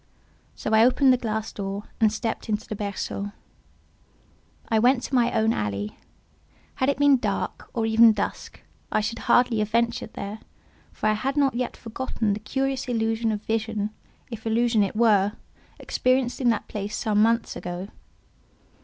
So I opened the glass door and stepped into the berceau. I went to my own alley: had it been dark, or even dusk, I should have hardly ventured there, for I had not yet forgotten the curious illusion of vision (if illusion it were) experienced in that place some months ago.